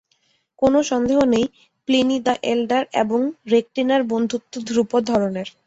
কোনো সন্দহ নেই, প্লিনি দ্য এল্ডার এবং রেকটিনার বন্ধুত্ব ধ্রুপদ ধরনের।